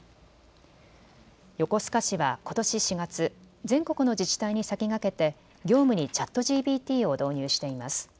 横須賀市はことし４月、全国の自治体に先駆けて業務にＣｈａｔＧＰＴを導入しています。